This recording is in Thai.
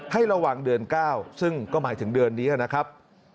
ให้ระวังเดือน๙ซึ่งก็หมายถึงเดือนนี้นะครับ